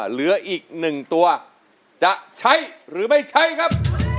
เหลืออีก๑ตัวจะใช้หรือไม่ใช้ครับ